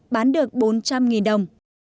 bán được bốn trăm linh đồng